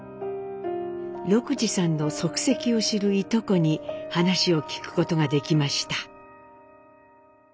禄二さんの足跡を知るいとこに話を聞くことができました。